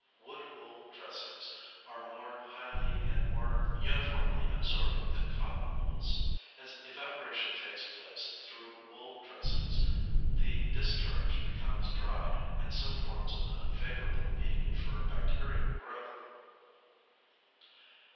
Wood wool dressings are more highly and more uniformly absorbent than cotton wools. As evaporation takes place through wool dressings, the discharge becomes dried, and so forms an unfavourable medium for bacterial growth.